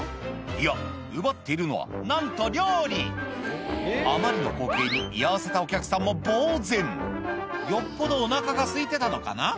いや奪っているのはなんと料理あまりの光景に居合わせたお客さんもぼうぜんよっぽどお腹がすいてたのかな？